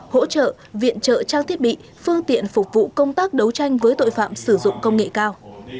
hỗ trợ viện trợ trang thiết bị phương tiện phục vụ công tác đấu tranh với tội phạm sử dụng công nghệ cao